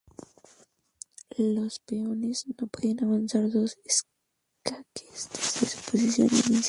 Los peones no pueden avanzar dos escaques desde su posición inicial.